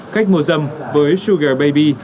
khách mua dâm với sugar baby